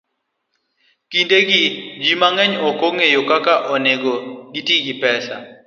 Kindegi, ji mang'eny ok ong'eyo kaka onego giti gi pesa